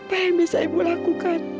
apa yang bisa ibu lakukan